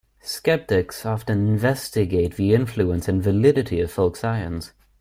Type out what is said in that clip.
Skeptics often investigate the influence and validity of folk science.